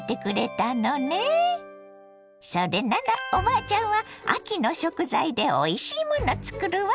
それならおばあちゃんは秋の食材でおいしいもの作るわ！